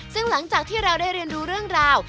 ซึ่งหลังจากที่เราได้เรียนรู้เรื่องราว